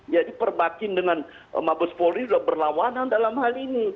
jadi perbakin dengan mabes polri sudah berlawanan dalam hal ini